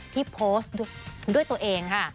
ที่โพสต์ด้วยตัวเองค่ะ